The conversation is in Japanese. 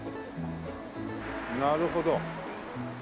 なるほど。